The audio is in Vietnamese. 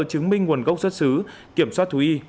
chứng minh nguồn gốc xuất xứ kiểm soát thú y